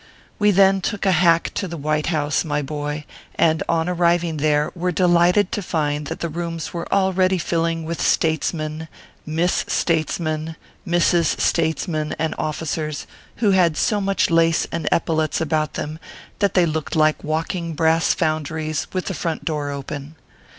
We then took a hack to the White House, my boy, and on arriving there were delighted to find that the rooms were already filling with statesmen, miss statesmen, mrs statesmen, and officers, who had so much lace and epaulettes about them that they looked like walking brass founderies with the front door open.